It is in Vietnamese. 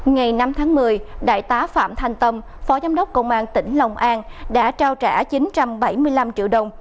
ngày năm tháng một mươi đại tá phạm thanh tâm phó giám đốc công an tỉnh lòng an đã trao trả chín trăm bảy mươi năm triệu đồng